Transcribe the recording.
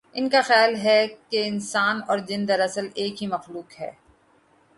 ان کا خیال ہے کہ انسان اور جن دراصل ایک ہی مخلوق ہے۔